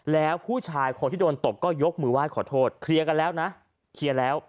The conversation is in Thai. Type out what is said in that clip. แล้วผู้ชายคนที่โดนตบก็ยกมือไหว้ขอโทษเคลียร์กันแล้วนะ